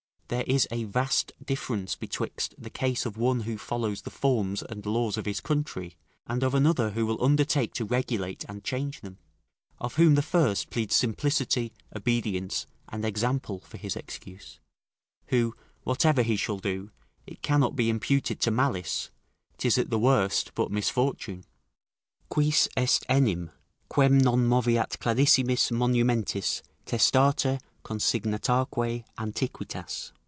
There is a vast difference betwixt the case of one who follows the forms and laws of his country, and of another who will undertake to regulate and change them; of whom the first pleads simplicity, obedience, and example for his excuse, who, whatever he shall do, it cannot be imputed to malice; 'tis at the worst but misfortune: "Quis est enim, quem non moveat clarissimis monumentis testata consignataque antiquitas?"